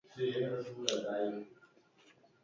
Zati batzuk eraitsi eta berreraiki egin ziren.